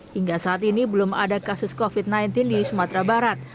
hingga saat ini belum ada kasus covid sembilan belas di sumatera barat